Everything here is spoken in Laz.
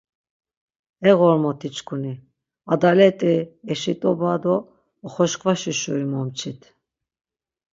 E ğormoti-çkuni! Adalet̆i, eşit̆oba do oxoşkvaşi şuri momçit.